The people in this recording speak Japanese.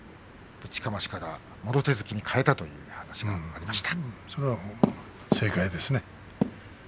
ぶちかましから、もろ手突きに変えたという話がありました。